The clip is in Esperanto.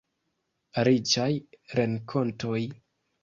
Riĉaj renkontoj.